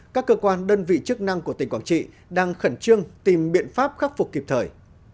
các cơ quan đơn vị chức năng của tỉnh quảng trị đang khẩn trương tìm biện pháp khắc phục kịp thời